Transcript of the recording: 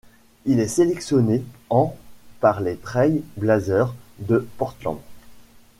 Il est sélectionné en par les Trail Blazers de Portland.